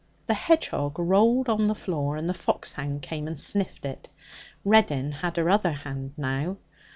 The hedgehog rolled on the floor, and the foxhound came and sniffed it. Reddin had her other hand now.